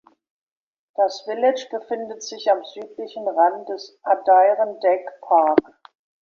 Das Village befindet sich am südlichen Rand des Adirondack Park.